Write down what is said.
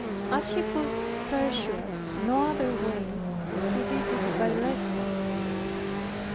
As he could pursue us no other way, he did it by letters.